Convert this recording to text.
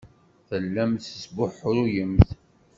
Tellamt tesbuḥruyemt.